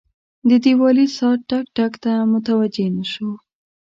د دیوالي ساعت ټک، ټک ته متوجه نه شو.